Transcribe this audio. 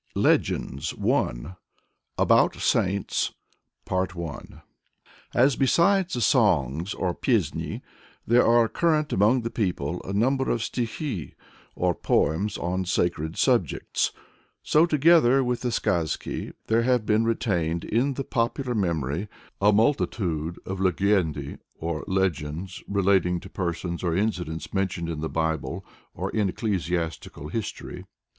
LEGENDS. I About Saints. As besides the songs or pyesni there are current among the people a number of stikhi or poems on sacred subjects, so together with the skazki there have been retained in the popular memory a multitude of legendui, or legends relating to persons or incidents mentioned in the Bible or in ecclesiastical history.